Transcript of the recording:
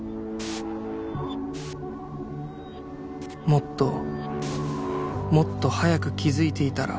もっともっと早く気付いていたら